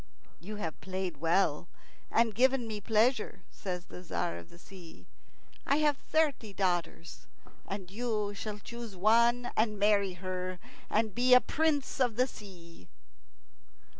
"You have played well and given me pleasure," says the Tzar of the Sea. "I have thirty daughters, and you shall choose one and marry her, and be a Prince of the Sea."